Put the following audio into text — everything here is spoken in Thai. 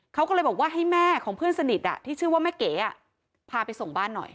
เขาก็เลยบอกว่าให้แม่ของเพื่อนสนิทที่ชื่อว่าแม่เก๋พาไปส่งบ้านหน่อย